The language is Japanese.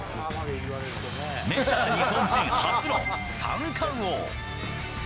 メジャー日本人初の三冠王。